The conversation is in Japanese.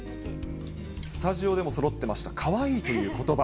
スタジオでもそろってました、かわいいということば。